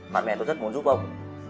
bạn mẹ tôi rất muốn giúp ông